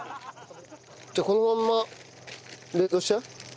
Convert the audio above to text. このまんま冷凍しちゃう？